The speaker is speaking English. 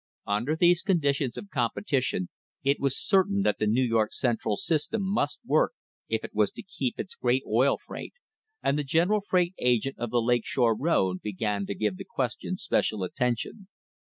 Under these conditions of competition it was certain that the New York Central system must work if it was to keep its great oil freight, and the general freight agent of the Lake Shore road began to give the question special attention.